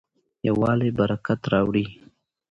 یووالی برکت راوړي.